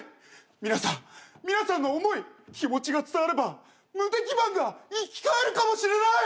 皆さん皆さんの思い気持ちが伝わればムテキマンが生き返るかもしれない！